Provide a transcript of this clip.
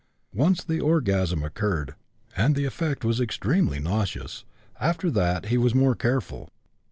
Once the orgasm occurred, and the effect was extremely nauseous; after that he was more careful.